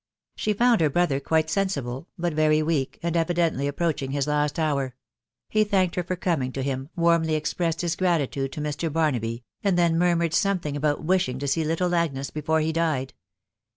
' She found her brother quite sensible, but wry weak, and evttentry approaching his hauVheur.; 'he thanked her for coming to him, warmly rexpressed 'his gwtitade to Mr. Barnaby, and then murmured something xabout wishing to see little Agnes before he died.